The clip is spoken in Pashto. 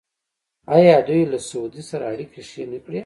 آیا دوی له سعودي سره اړیکې ښې نه کړې؟